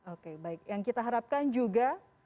oke baik yang kita harapkan juga